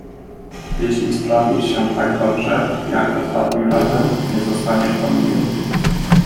"Jeśli sprawisz się tak dobrze, jak ostatnim razem, nie zostaniesz pominięty."